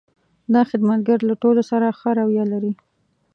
دا خدمتګر له ټولو سره ښه رویه لري.